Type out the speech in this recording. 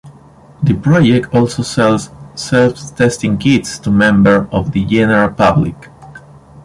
The project also sells self-testing kits to members of the general public.